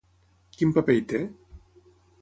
Quin paper hi té?